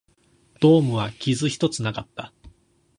ドームは傷一つなかった